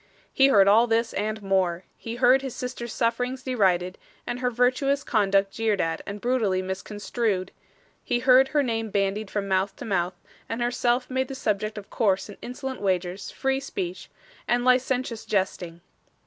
He heard all this and more. He heard his sister's sufferings derided, and her virtuous conduct jeered at and brutally misconstrued; he heard her name bandied from mouth to mouth, and herself made the subject of coarse and insolent wagers, free speech, and licentious jesting.